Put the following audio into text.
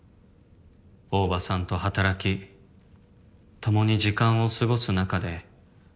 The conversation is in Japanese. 「大庭さんと働き」「共に時間を過ごす中で」